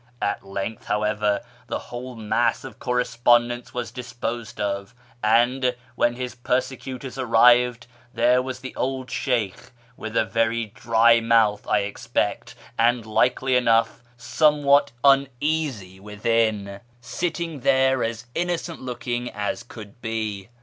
At length, however, the whole mass of correspondence was disposed of, and, when his persecutors arrived, there was the old Sheykh (with a very dry mouth, I expect, and, likely enough, somewhat uneasy within) sitting there as innocent looking as could be.